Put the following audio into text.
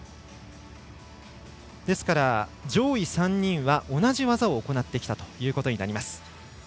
ですから、上位３人は同じ技を行ってきたということになります。